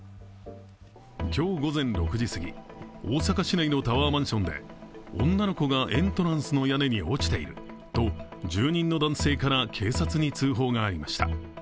今日午前６時過ぎ、大阪市内のタワーマンションで女の子がエントランスの屋根に落ちていると住人の男性から警察に通報がありました。